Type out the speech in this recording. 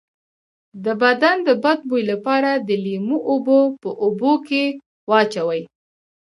د بدن د بد بوی لپاره د لیمو اوبه په اوبو کې واچوئ